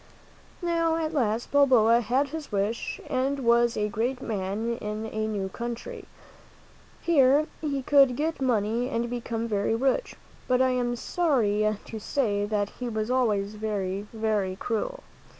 Now, at last, Balboa had his wish and was a great man in a new country. Here he could get money and become very rich; but I am sorry to say that he was always very, very cruel.